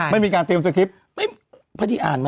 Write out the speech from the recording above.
ไม่มีอะไรว่าง